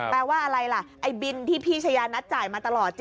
แปลว่าอะไรล่ะไอ้บินที่พี่ชายานัทจ่ายมาตลอด